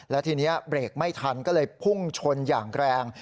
แล้วทีนี้เบรกไม่ทันก็เลยพุ่งชนอย่างแรง